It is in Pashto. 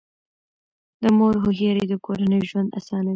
د مور هوښیاري د کورنۍ ژوند اسانوي.